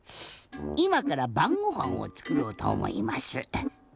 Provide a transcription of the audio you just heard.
いまからばんごはんをつくろうとおもいます。